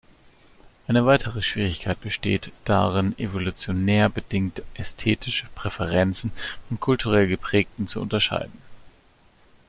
Eine weitere Schwierigkeit besteht darin, evolutionär bedingte ästhetische Präferenzen von kulturell geprägten zu unterscheiden.